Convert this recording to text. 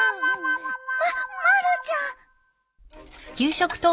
まっまるちゃん。